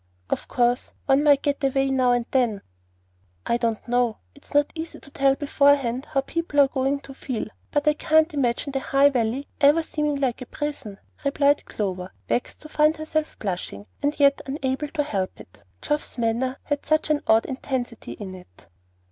Of course, one might get away now and then " "I don't know. It's not easy to tell beforehand how people are going to feel; but I can't imagine the High Valley ever seeming like a prison," replied Clover, vexed to find herself blushing, and yet unable to help it, Geoff's manner had such an odd intensity in it.